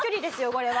これは。